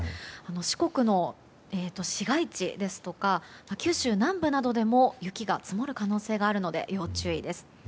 四国の市街地ですとか九州南部などでも雪が積もる可能性があるので要注意です。